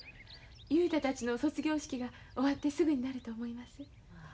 雄太たちの卒業式が終わってすぐになると思います。